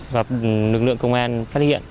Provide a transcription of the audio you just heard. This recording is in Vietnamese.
và lực lượng công an phát hiện